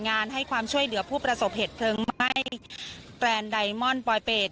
งานให้ความช่วยเวลาผู้ประสบเหตุเครื่องไหมแปรนดายโมนปอยเปรด